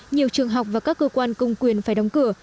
nhiều trường học và các cơ quan công quyền phải đóng cửa